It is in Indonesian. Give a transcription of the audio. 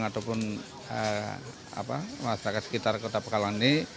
ataupun masyarakat sekitar kota pekalongan ini